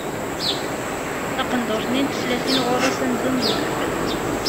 Taqendurt-nni n teslatin ɣur-s amzun d lekfen.